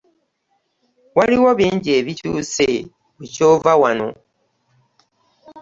Waliwo bingi ebikyuse bukya ova wano.